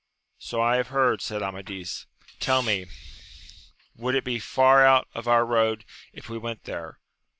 So I have heard, said Amadis : tell me, would it be far out of our road if we went there